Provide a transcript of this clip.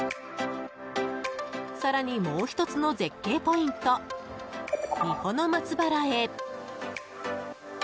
更に、もう１つの絶景ポイント三保の松原へ。